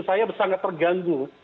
saya sangat terganggu